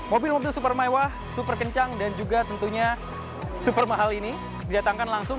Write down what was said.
mobil mobil super mewah super kencang dan juga tentunya super mahal ini didatangkan langsung